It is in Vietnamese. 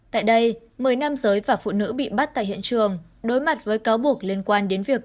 tại đây một mươi nam giới và phụ nữ bị bắt tại hiện trường đối mặt với cáo buộc liên quan đến việc